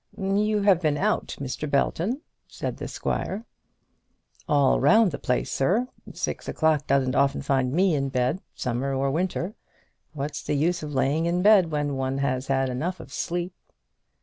"You have been out, Mr. Belton," said the squire. "All round the place, sir. Six o'clock doesn't often find me in bed, summer or winter. What's the use of laying in bed when one has had enough of sleep?"